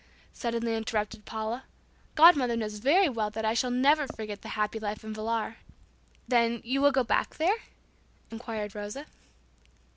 suddenly interrupted Paula. "Godmother knows very well that I shall never forget the happy life in Villar." "Then, you will go back there?" inquired Rosa.